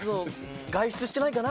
外出してないかな？